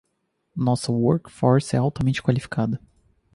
Nossa workforce é altamente qualificada.